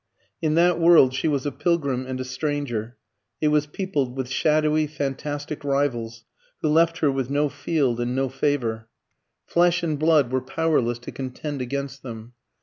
In that world she was a pilgrim and a stranger; it was peopled with shadowy fantastic rivals, who left her with no field and no favour; flesh and blood were powerless to contend against them.